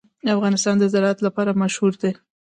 افغانستان د زراعت لپاره مشهور دی.